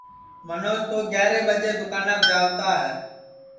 منوج تو گیاریں ٻجے دؔوکاناپ جاوتا ہے